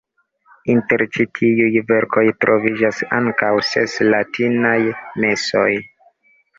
Inter ĉi tiuj verkoj troviĝas ankaŭ ses latinaj mesoj.